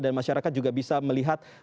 dan masyarakat juga bisa melihat